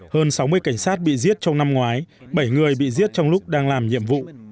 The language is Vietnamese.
hơn sáu mươi cảnh sát bị giết trong năm ngoái bảy người bị giết trong lúc đang làm nhiệm vụ